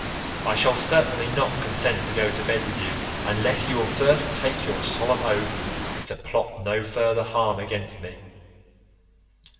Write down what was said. I shall certainly not consent to go to bed with you unless you will first take your solemn oath to plot no further harm against me.